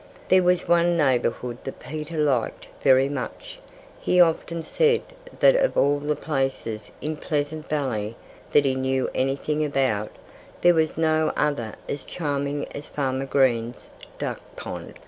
There was one neighborhood that Peter liked very much. He often said that of all the places in Pleasant Valley that he knew anything about, there was no other as charming as Farmer Green's duck pond.